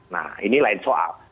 nah ini lain soal